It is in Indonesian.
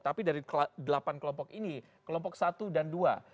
tapi dari delapan kelompok ini kelompok satu dan dua